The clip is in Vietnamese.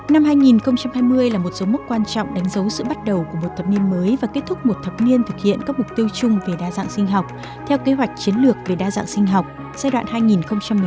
năm hai nghìn hai mươi là một số mốc quan trọng đánh dấu sự bắt đầu của một thập niên mới và kết thúc một thập niên thực hiện các mục tiêu chung về đa dạng sinh học theo kế hoạch chiến lược về đa dạng sinh học giai đoạn hai nghìn một mươi sáu hai nghìn hai mươi